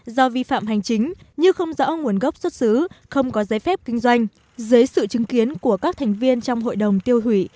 do vi phạm hành chính như không rõ nguồn gốc xuất xứ không có giấy phép kinh doanh dưới sự chứng kiến của các thành viên trong hội đồng tiêu hủy